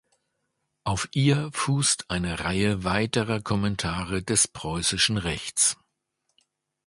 Auf ihr fußt eine Reihe weiterer Kommentare des preußischen Rechts.